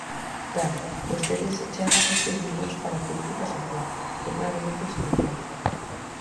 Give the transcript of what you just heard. Claro, vostedes achegan seis millóns para política social, que é claramente insuficiente.